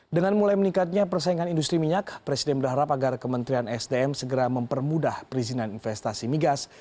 dengan mulai meningkatnya persaingan industri minyak presiden berharap agar kementerian sdm segera mempermudah perizinan investasi migas